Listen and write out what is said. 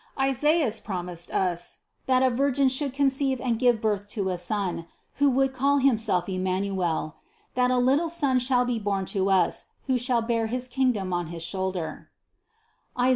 Isaias promised us, that a Virgin should conceive and give birth to a Son, who would call him self Emmanuel ; that a little son shall be born to us, who shall bear his kingdom on his shoulder (Is.